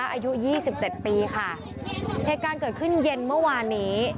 อายุยี่สิบเจ็ดปีค่ะเหตุการณ์เกิดขึ้นเย็นเมื่อวานนี้